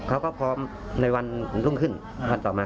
หรือพูดยังไงนะ